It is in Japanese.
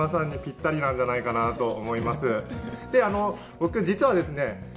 僕実はですね先輩。